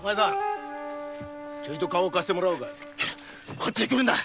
こっちへ来るんだ。